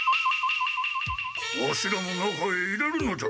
ワシらも中へ入れるのじゃ。